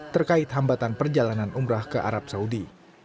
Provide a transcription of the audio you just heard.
terkait hambatan perjalanan umrah ke arab saudi